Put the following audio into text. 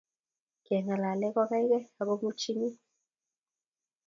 kengalale kokaikai ako minchi akungut